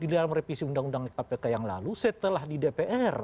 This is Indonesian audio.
di dalam revisi undang undang kpk yang lalu setelah di dpr